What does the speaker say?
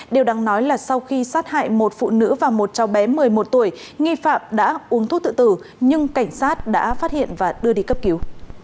điều đáng nói là sau khi sát hại một phụ nữ và một cháu bé một mươi một tuổi nghi phạm đã uống thuốc tự tử nhưng cảnh sát đã phát hiện và đưa đi cấp cứu